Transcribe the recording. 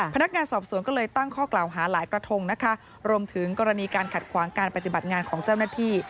พนักงานสอบสวนก็เลยตั้งข้อกล่าวหาหลายกระทงนะคะรวมถึงกรณีการขัดขวางการปฏิบัติงานของเจ้าหน้าที่